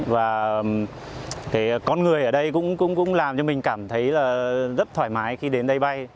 và con người ở đây cũng làm cho mình cảm thấy rất thoải mái khi đến đây bay